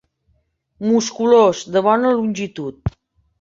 Musculós, de bona longitud.